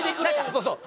そうそう。